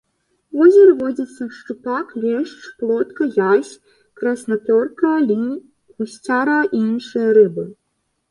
У возеры водзяцца шчупак, лешч, плотка, язь, краснапёрка, лінь, гусцяра і іншыя рыбы.